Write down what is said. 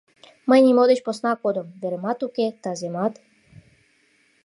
Мый нимо деч посна кодым: веремат уке, таземат...